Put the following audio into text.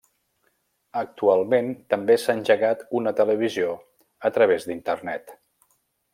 Actualment també s'ha engegat una televisió a través d'internet.